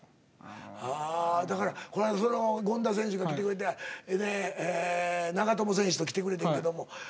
ああだからこないだ権田選手が来てくれて長友選手と来てくれてんけども。